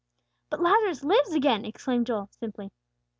"But Lazarus lives again!" exclaimed Joel, simply.